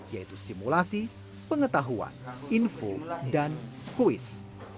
yaitu simulasi pengetahuan info dan kuis